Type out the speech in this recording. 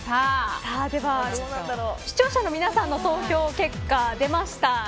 では、視聴者の皆さんの投票結果、出ました。